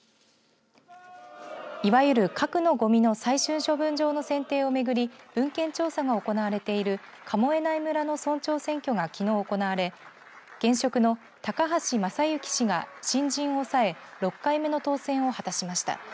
いわゆる核のごみの最終処分場の選定をめぐり文献調査が行われている神恵内村の村長選挙がきのう行われ現職の高橋昌幸氏が新人をおさえ６回目の当選を果たしました。